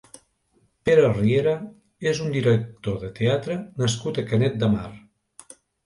Pere Riera és un director de teatre nascut a Canet de Mar.